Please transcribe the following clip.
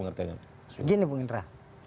gini bung indra